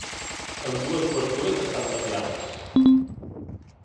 Ambdues obertures estan tapiades.